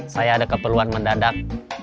saya ada keperluan mendadak